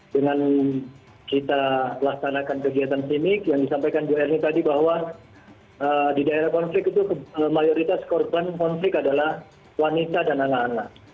dengan kita laksanakan kegiatan simic yang disampaikan bu erni tadi bahwa di daerah konflik itu mayoritas korban konflik adalah wanita dan anak anak